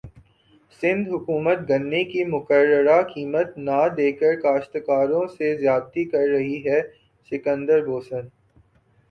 سندھ حکومت گنے کی مقررہ قیمت نہ دیکر کاشتکاروں سے زیادتی کر رہی ہے سکندر بوسن